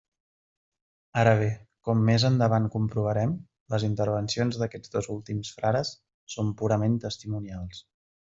Ara bé, com més endavant comprovarem, les intervencions d'aquests dos últims frares són purament testimonials.